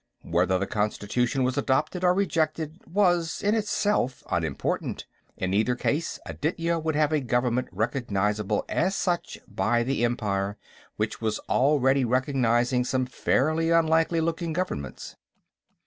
Whether the constitution was adopted or rejected was, in itself, unimportant; in either case, Aditya would have a government recognizable as such by the Empire, which was already recognizing some fairly unlikely looking governments.